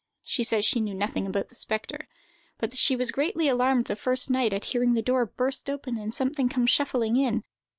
She says she knew nothing about the spectre, but that she was greatly alarmed the first night at hearing the door burst open and something come shuffling in.